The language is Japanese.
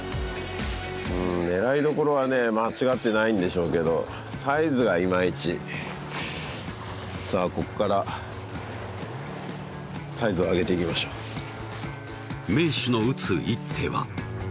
うーん狙いどころはね間違ってないんでしょうけどサイズがイマイチさあこっからサイズを上げていきましょう名手の打つ一手は？